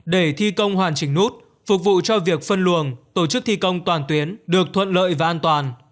để thi công hoàn chỉnh nút phục vụ cho việc phân luồng tổ chức thi công toàn tuyến được thuận lợi và an toàn